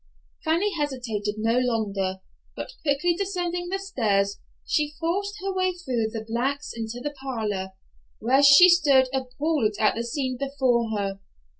Fanny hesitated no longer, but quickly descending the stairs, she forced her way through the blacks into the parlor, where she stood appalled at the scene before her.